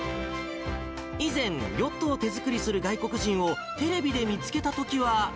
以前、ヨットを手作りする外国人をテレビで見つけたときは。